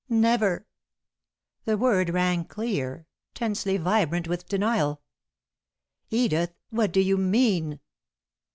"Never!" The word rang clear, tensely vibrant with denial. "Edith! What do you mean?"